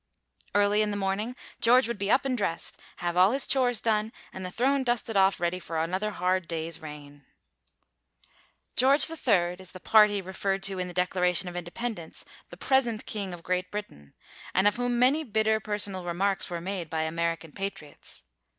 Early in the morning George would be up and dressed, have all his chores done and the throne dusted off ready for another hard day's reign. [Illustration: WRAPPED IN SLUMBER.] George III is the party referred to in the Declaration of Independence the present king of Great Britain, and of whom many bitter personal remarks were made by American patriots.